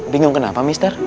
bingung kenapa mister